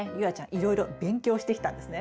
いろいろ勉強してきたんですね。